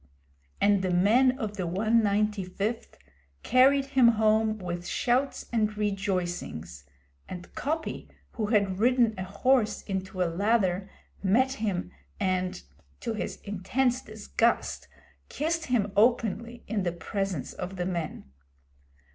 And the men of the 195th carried him home with shouts and rejoicings; and Coppy, who had ridden a horse into a lather, met him, and, to his intense disgust, kissed him openly in the presence of the men.